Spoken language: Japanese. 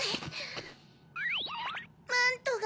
マントが。